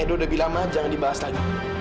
edo udah bilang mak jangan dibahas lagi